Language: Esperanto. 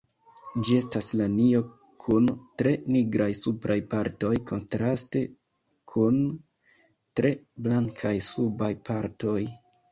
Ĝi estas lanio kun tre nigraj supraj partoj kontraste kun tre blankaj subaj partoj.